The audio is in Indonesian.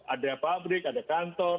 ada pabrik ada kantor